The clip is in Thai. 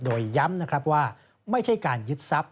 โดยย้ำนะครับว่าไม่ใช่การยึดทรัพย